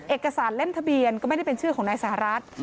เอกสารเล่มทะเบียนก็ไม่ได้เป็นชื่อของนายสหรัฐ